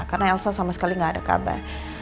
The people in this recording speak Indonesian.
karena elsa sama sekali gak ada kabar